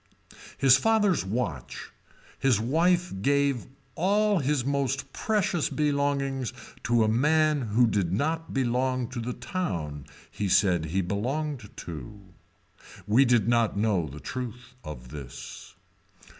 His father's watch, his wife gave all his most precious belongings to a man who did not belong to the town he said he belonged to. We did not know the truth of this.